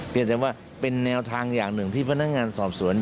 แต่ว่าเป็นแนวทางอย่างหนึ่งที่พนักงานสอบสวน